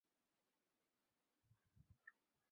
刘粲及后就派靳准杀死刘乂。